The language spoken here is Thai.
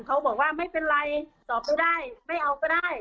เขาบอกว่าไม่เป็นไรตอบไม่ได้ไม่เอาก็ได้